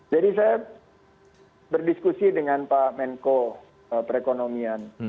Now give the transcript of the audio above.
saya berdiskusi dengan pak menko perekonomian